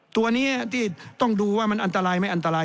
ตัวนี้ที่ต้องดูว่ามันอันตรายไม่อันตราย